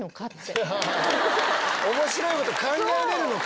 面白いこと考えれるのか？